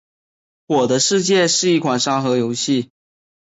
《我的世界》是一款沙盒游戏。